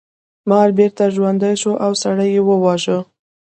مار بیرته ژوندی شو او سړی یې وواژه.